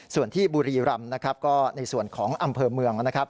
ส่วนที่บุรีรำก็ในส่วนของอำเภอเมือง